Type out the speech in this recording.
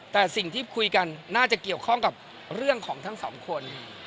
แต่สิ่งที่คุยกันน่าจะเกี่ยวข้องกับเรื่องของทั้งสองคน